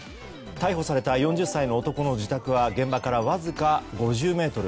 逮捕された４０歳の男の自宅は現場からわずか５０ｍ。